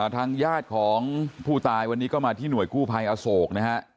ทางญาติของผู้ตายวันนี้ก็มาที่หน่วยกู้ภัยอโศกนะฮะ